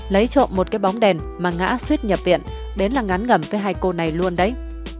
lấy trộm một cái bóng đèn mà ngã suốt nhập viện đến là ngắn ngầm với hai cô này luôn đấy